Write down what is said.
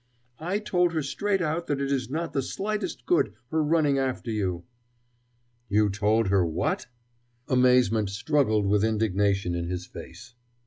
"I told her straight out that it is not the slightest good her running after you." "You told her what?" Amazement struggled with indignation in his face.